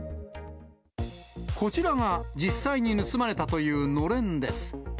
こちらが実際に盗まれたというのれんです。